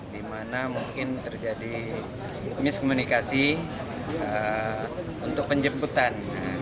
di mana mungkin terjadi miskomunikasi untuk penjemputan